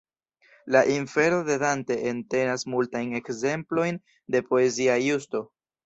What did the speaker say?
La "Infero" de Dante entenas multajn ekzemplojn de poezia justo.